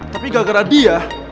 tapi gak gara dia